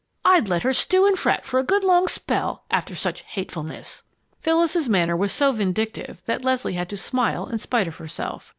I'd let her stew and fret for it for a good long spell after such hatefulness!" Phyllis's manner was so vindictive that Leslie had to smile in spite of herself.